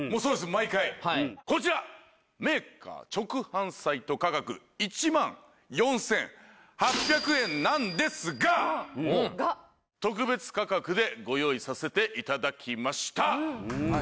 毎回こちらメーカー直販サイト価格１万４８００円なんですがが特別価格でご用意させていただきました